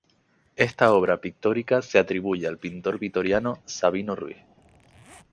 Esta obra pictórica se atribuye al pintor vitoriano Sabino Ruiz.